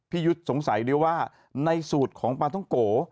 ยุทธ์สงสัยด้วยว่าในสูตรของปลาท้องโก